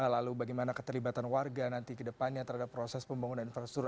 lalu bagaimana keterlibatan warga nanti ke depannya terhadap proses pembangunan infrastruktur